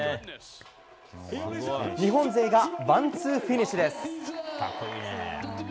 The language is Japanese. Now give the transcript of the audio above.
日本勢がワンツーフィニッシュです。